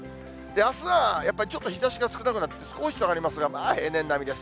あすはやっぱり、ちょっと日ざしが少なくなって、少し下がりますが、まあ平年並みです。